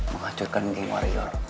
menghancurkan geng wario